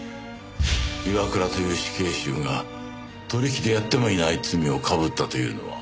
岩倉という死刑囚が取引でやってもいない罪を被ったというのは。